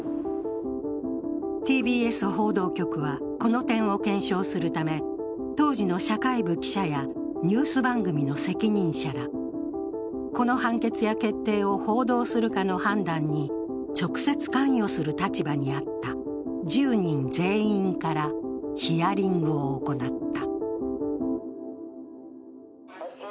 ＴＢＳ報道局は、この点を検証するため当時の社会部記者やニュース番組の責任者ら、この判決や決定を報道するかの判断に直接関与する立場にあった１０人全員からヒアリングを行った。